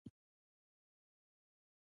پيسو نړيوال صندوق باور لري.